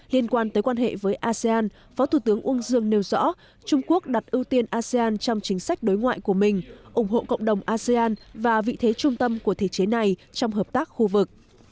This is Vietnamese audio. liên quan tới quan hệ với asean phó thủ tướng uông dương nêu rõ trung quốc đặt ưu tiên asean trong chính sách đối ngoại của mình ủng hộ cộng đồng asean và vị thế trung tâm của thể chế này trong hợp tác khu vực